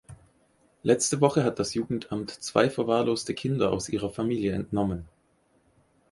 Letzte Woche hat das Jugendamt zwei verwahrloste Kinder aus ihrer Familie entnommen.